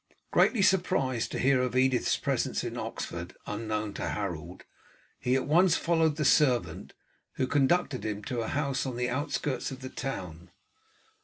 Greatly surprised to hear of Edith's presence in Oxford unknown to Harold, he at once followed the servant, who conducted him to a house on the outskirts of the town.